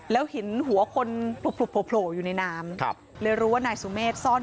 แล้วกินเสร็จสิบหรือละก็จะพาไปสะเก็บ